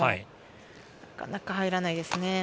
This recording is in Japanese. なかなか入らないですね。